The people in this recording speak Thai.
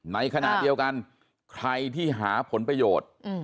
ในขณะเดียวกันใครที่หาผลประโยชน์